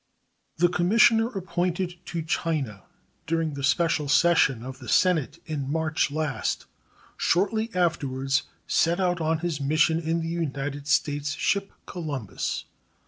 The commissioner appointed to China during the special session of the Senate in March last shortly afterwards set out on his mission in the United States ship Columbus.